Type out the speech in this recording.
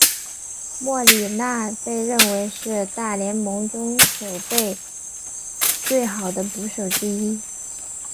莫里纳被认为是大联盟中守备最好的捕手之一。